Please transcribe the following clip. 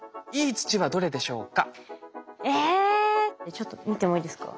ちょっと見てもいいですか？